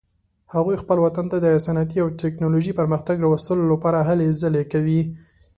هغوی خپل وطن ته د صنعتي او تکنالوژیکي پرمختګ راوستلو لپاره هلې ځلې کوي